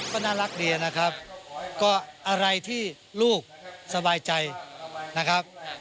ก็น่ารักดีนะครับก็อะไรที่ลูกสบายใจนะครับ